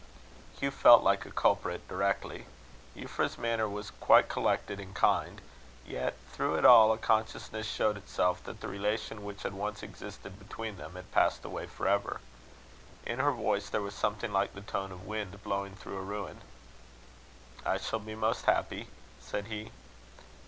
Hugh felt like a culprit directly. Euphra's manner was quite collected and kind; yet through it all a consciousness showed itself, that the relation which had once existed between them had passed away for ever. In her voice there was something like the tone of wind blowing through a ruin. "I shall be most happy," said he.